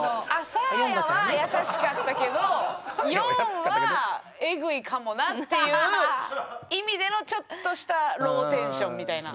サーヤは優しかったけど４はえぐいかもなっていう意味でのちょっとしたローテンションみたいな。